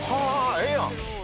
ええやん！